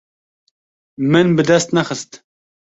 Min bi dest nexist.